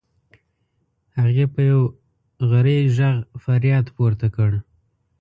هغې په یو غری غږ فریاد پورته کړ.